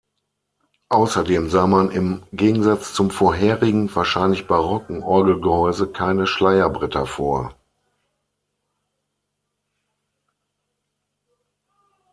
Außerdem sah man im Gegensatz zum vorherigen, wahrscheinlich barocken Orgelgehäuse keine Schleierbretter vor.